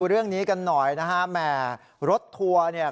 เรื่องนี้กันหน่อยนะฮะแหมรถทัวร์เนี่ย